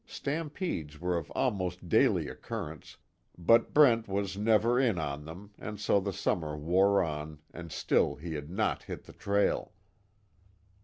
Stampedes were of almost daily occurrence, but Brent was never in on them and so the summer wore on and still he had not hit the trail.